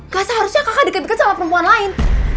gak seharusnya kakak deket deket sama perempuan lain